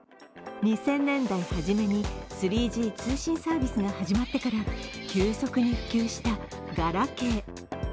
２０００年代初めに３Ｇ通信サービスが始まってから急速に普及したガラケー。